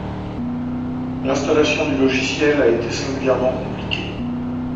L'installation du logiciel a été singulièrement compliquée